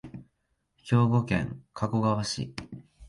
兵庫県加古川市